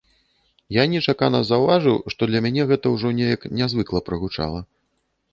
Я нечакана заўважыў, што для мяне гэта ўжо неяк нязвыкла прагучала.